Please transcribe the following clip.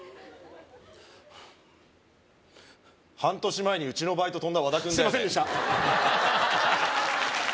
半年前にうちのバイト飛んだ和田くんだよねすいませんでした